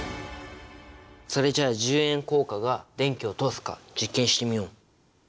それじゃあ１０円硬貨が電気を通すか実験してみよう！